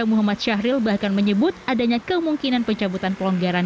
muhammad syahril bahkan menyebut adanya kemungkinan pencabutan pelonggaran